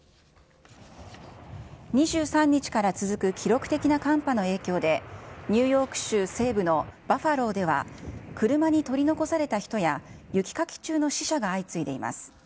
２３日から続く記録的な寒波の影響で、ニューヨーク州西部のバファローでは、車に取り残された人や、雪かき中の死者が相次いでいます。